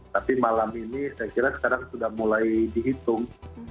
tapi malam ini saya kira sekarang sudah mulai dihitung